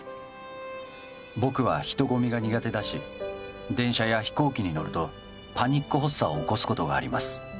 僕は人混みが苦手だし電車や飛行機に乗るとパニック発作を起こす事があります